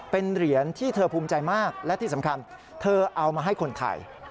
เป็นเหรียญที่เธอภูมิใจมากและที่สำคัญเธอเอามาให้คนไทย